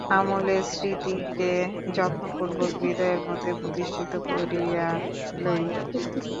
অমলের স্বৃতিকে যত্নপূর্বক হৃদয়ের মধ্যে প্রতিষ্ঠিত করিয়া লইল।